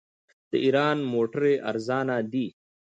د ایران موټرې ارزانه دي.